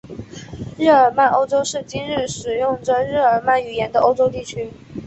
日耳曼欧洲是今日使用着日耳曼语言的欧洲地区。